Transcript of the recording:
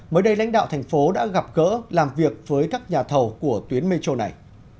mới đây lãnh đạo thành phố đã gặp gỡ làm việc với các nhà thầu của tuyến metro này